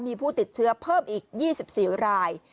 มีผู้ติดเชื้อเพิ่มอีก๒๔ราย